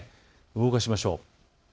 動かしましょう。